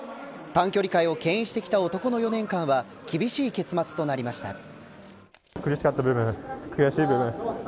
短距離界をけん引してきた男の４年間は厳しい結末となりました。